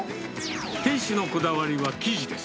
店主のこだわりは生地です。